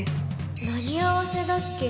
「何合わせ」だっけ？